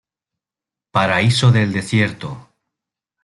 Paraíso del desierto.